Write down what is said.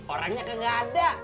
orangnya kek gak ada